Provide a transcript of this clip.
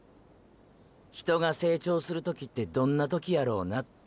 人が成長する時ってどんな時やろうなって。